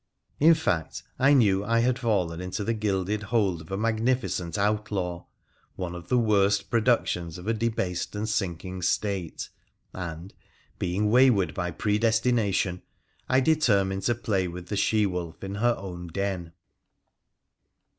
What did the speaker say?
In fact, I knew I had fallen into the gilded hold of a mag nificent outlaw, one of the worst productions of a debased and sinking State, and, being wayward by predestination, I de termined to play with the she wolf in her own den.